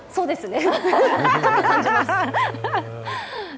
そうですね。